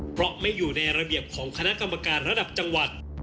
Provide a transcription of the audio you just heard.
เพราะไม่อยู่ในระเบียบของคณะกรรมการระดับจังหวัด